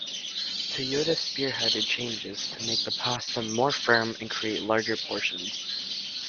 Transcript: Toyoda spearheaded changes to make the pasta more firm and create larger portions.